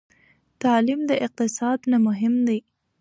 تعلیم د اقتصاد نه مهم دی.